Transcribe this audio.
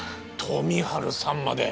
富治さんまで！